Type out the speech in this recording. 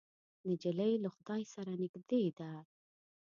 نجلۍ له خدای سره نږدې ده.